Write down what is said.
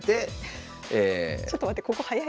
ちょっと待ってここ早いな結構。